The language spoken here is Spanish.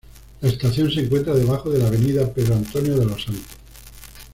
La estación se encuentra debajo de la avenida Pedro Antonio de los Santos.